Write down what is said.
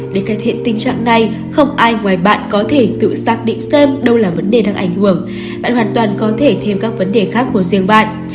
để cải thiện tình trạng này không ai ngoài bạn có thể tự xác định xem đâu là vấn đề đang ảnh hưởng bạn hoàn toàn có thể thêm các vấn đề khác của riêng bạn